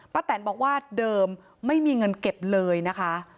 แตนบอกว่าเดิมไม่มีเงินเก็บเลยนะคะ